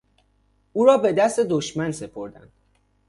اورابدست دشمن سپردند